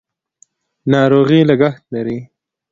ناروغي لګښت لري.